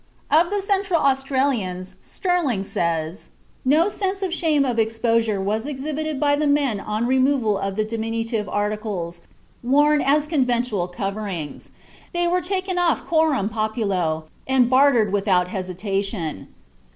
Of the Central Australians Stirling says: "No sense of shame of exposure was exhibited by the men on removal of the diminutive articles worn as conventional coverings; they were taken off coram populo, and bartered without hesitation.